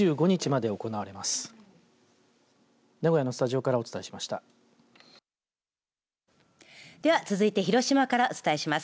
では続いて広島からお伝えします。